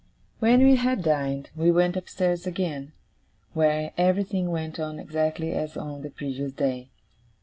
When we had dined, we went upstairs again, where everything went on exactly as on the previous day.